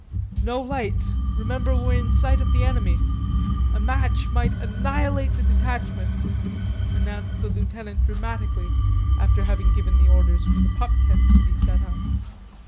"No lights, remember we're in sight of the enemy. A match might annihilate the detachment," announced the lieutenant dramatically after having given the orders for the pup tents to be set up.